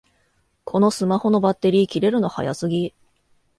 このスマホのバッテリー切れるの早すぎ